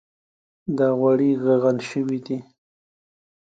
دا غوړي ږغن شوي دي.